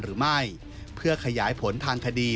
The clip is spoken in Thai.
หรือไม่เพื่อขยายผลทางคดี